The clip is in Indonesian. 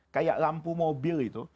kayak lampu mobil itu